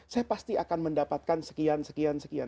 saya pasti akan mendapatkan sekian sekian sekian